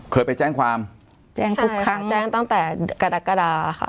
เคยไปแจ้งความแจ้งทุกครั้งแจ้งตั้งแต่กรกฎาค่ะ